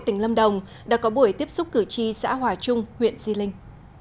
tỉnh lâm đồng đã có buổi tiếp xúc cử tri xã hòa trung huyện di linh